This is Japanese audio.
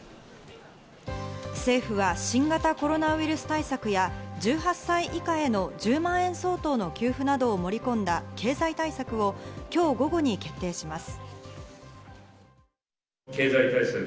政府は新型コロナウイルス対策や１８歳以下への１０万円相当の給付などを盛り込んだ経済対策を今日午後に決定します。